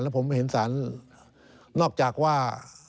แล้วผมเห็นสารนอกจากว่า